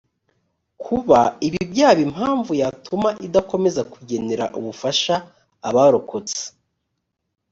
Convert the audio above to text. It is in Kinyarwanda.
kuba ibi byaba impamvu yatuma idakomeza kugenera ubufasha abarokotse